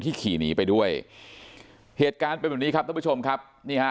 ขี่หนีไปด้วยเหตุการณ์เป็นแบบนี้ครับท่านผู้ชมครับนี่ฮะ